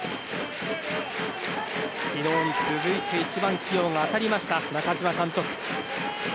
昨日に続いて１番起用が当たりました中嶋監督。